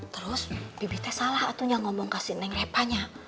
terus bibit teh salah atunya ngomong kasih neng refanya